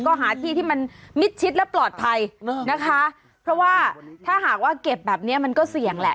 ก็หาที่ที่มันมิดชิดและปลอดภัยนะคะเพราะว่าถ้าหากว่าเก็บแบบเนี้ยมันก็เสี่ยงแหละ